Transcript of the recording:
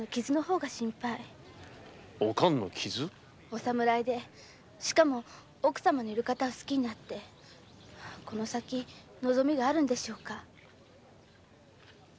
お侍でしかも奥様のいる方を好きになってこの先望みがあるのでしょうか？